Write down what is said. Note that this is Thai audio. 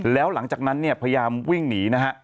แล้วหลังจากนั้นเนี่ยพยายามวิ่งหนีนะฮะ